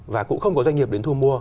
và cũng không có doanh nghiệp đến thu mua